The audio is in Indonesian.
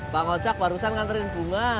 pak ocak barusan nganterin bunga